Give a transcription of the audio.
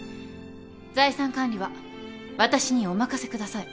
財産管理は私にお任せください。